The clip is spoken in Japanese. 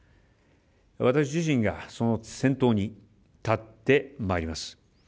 私自身がその先頭に立ってまいります。